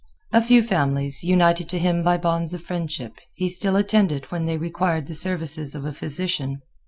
A few families, united to him by bonds of friendship, he still attended when they required the services of a physician.